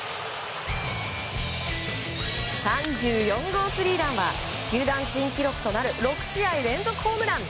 ３４号スリーランは球団新記録となる６試合連続ホームラン！